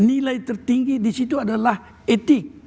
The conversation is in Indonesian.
yang paling tinggi di situ adalah etik